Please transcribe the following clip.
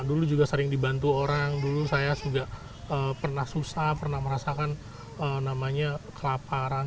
dulu juga sering dibantu orang dulu saya juga pernah susah pernah merasakan namanya kelaparan